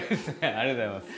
ありがとうございます。